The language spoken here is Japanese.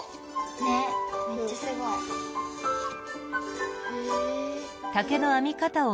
ねっめっちゃすごい。へえ。